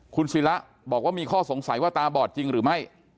คุณศิระบอกว่ามีข้อสงสัยว่าตาบอดจริงหรือไม่